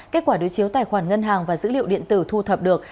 kết quả đối chiếu tài khoản ngân hàng và dữ liệu điện tử thu thập được